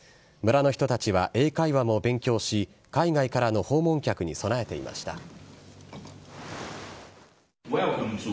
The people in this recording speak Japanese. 村の人たちは英会話も勉強し、海外からの訪問客に備えていました。